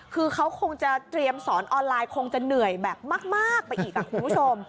คือเขาคงจะเตรียมสอนออนไลน์คงจะเหนื่อยแบบมากไปอีกคุณผู้ชม